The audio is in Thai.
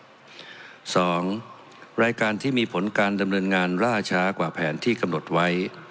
สองรายการที่มีผลการดำเนินงานล่าช้ากว่าแผนที่กำหนดไว้